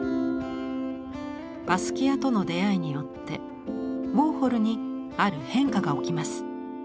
バスキアとの出会いによってウォーホルにある変化が起きます。